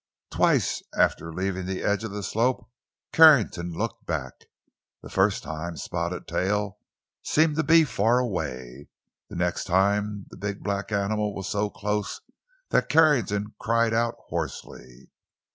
Twice after leaving the edge of the slope Carrington looked back. The first time Spotted Tail seemed to be far away; and the next time the big, black animal was so close that Carrington cried out hoarsely.